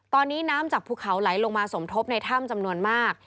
ตอนนี้น้ำจากภูเขาไหลลงมาสมทบในถ้ำจำนวนมาก